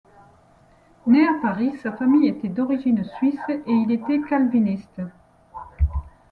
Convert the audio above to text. Né à Paris, sa famille était d'origine suisse et il était calviniste.